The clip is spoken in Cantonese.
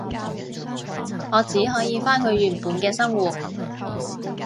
我只可以返去原本嘅生活